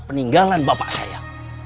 peninggalan bapak saya